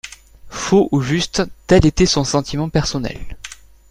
Faux ou juste, tel était son sentiment personnel.